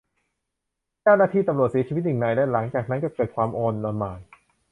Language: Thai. เจ้าหน้าที่ตำรวจเสียชีวิตหนึ่งนาย และหลังจากนั้นก็เกิดความอลหม่าน